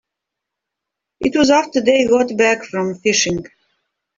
It was after they got back from fishing.